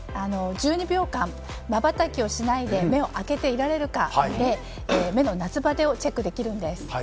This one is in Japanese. １２秒間まばたきをしないで目を開けていられるかで目の夏バテをチェックできるんです。